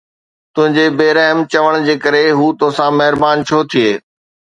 تنھنجي بي رحم چوڻ جي ڪري ھو توسان مھربان ڇو ٿئي؟